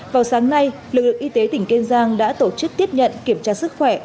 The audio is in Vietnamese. vào sáng nay lực lượng y tế tỉnh kiên giang đã tổ chức tiếp nhận kiểm tra sức khỏe